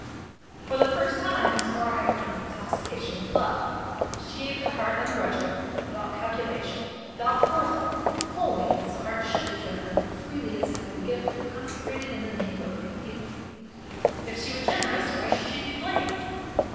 For the first time Miss Barhyte learned the intoxication of love. She gave her heart ungrudgingly, without calculation, without forethought, wholly, as a heart should be given and freely as had the gift been consecrated in the nave of a cathedral. If she were generous why should she be blamed?